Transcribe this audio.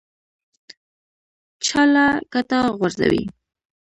چا له کټه غورځوي.